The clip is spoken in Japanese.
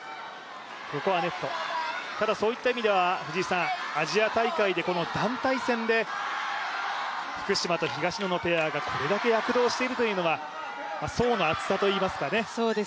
そういった意味ではアジア大会で、団体戦で福島と東野のペアがこれだけ躍動しているというのは層の厚さといいますか。